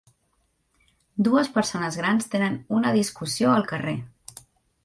Dues persones grans tenen una discussió al carrer.